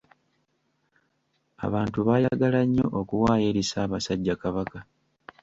Abantu baayagala nnyo okuwaayo eri Ssaabasajja Kabaka.